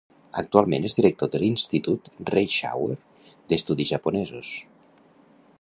Actualment és director de l'Institut Reischauer d'estudis japonesos.